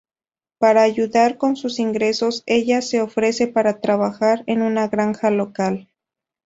Para ayudar con sus ingresos, ella se ofrece para trabajar en una granja local.